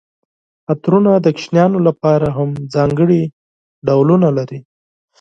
عطرونه د ماشومانو لپاره هم ځانګړي ډولونه لري.